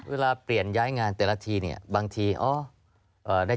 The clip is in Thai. เวลาเปลี่ยนย้ายงานแต่ละทีเนี่ยบางทีอ๋อ